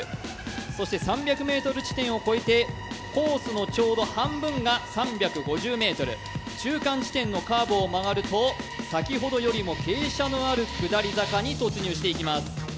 そして３００ｍ地点を超えてコースのちょうど半分が３５０ｍ、中間地点のカーブを曲がると、先ほどよりも傾斜のある下り坂に突入していきます。